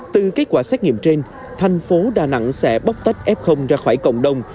từ kết quả xét nghiệm trên thành phố đà nẵng sẽ bóc tách f ra khỏi cộng đồng